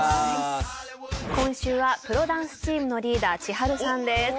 今週はプロダンスチームのリーダーｃｈｉｈａｒｕさんです。